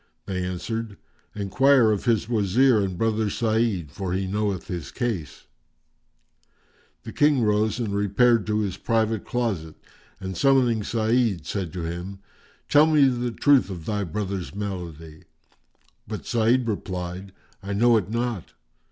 they answered, "Enquire of his Wazir and brother Sa'id, for he knoweth his case." The King rose and repaired to his private closet and summoning Sa'id said to him, "Tell me the truth of thy brother's malady." But Sa'id replied, "I know it not."